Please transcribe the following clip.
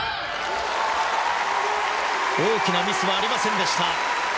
大きなミスはありませんでした。